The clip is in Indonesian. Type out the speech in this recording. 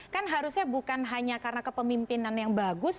kan harusnya bukan hanya karena kepemimpinan yang bagus